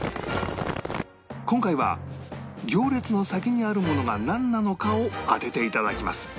今回は行列の先にあるものがなんなのかを当てていただきます